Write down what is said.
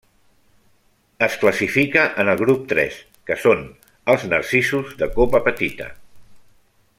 Es classifica en el grup tres, que són els narcisos de copa petita.